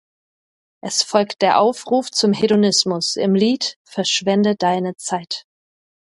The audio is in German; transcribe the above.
Es folgt der Aufruf zum Hedonismus im Lied "Verschwende deine Zeit".